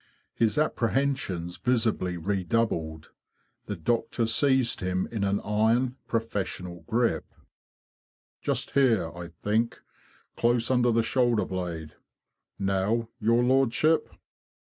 His apprehensions visibly redoubled. The doctor seized him in an iron, professional grip. '* Just here, I think. Close under the shoulder blade. Now, your lordship..."